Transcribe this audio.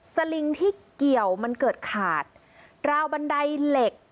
สลิงที่เกี่ยวมันเกิดขาดราวบันไดเหล็ก